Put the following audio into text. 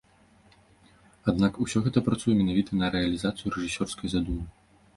Аднак, усё гэта працуе менавіта на рэалізацыю рэжысёрскай задумы.